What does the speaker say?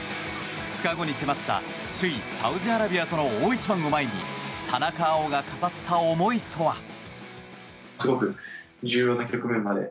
２日後に迫った首位サウジアラビアとの大一番を前に田中碧が語った思いとは。